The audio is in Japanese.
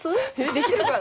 できるかな？